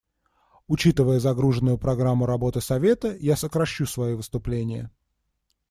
Учитывая загруженную программу работы Совета, я сокращу свое выступление.